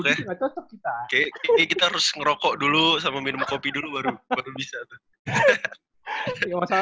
kayaknya kita harus ngerokok dulu sama minum kopi dulu baru baru bisa tuh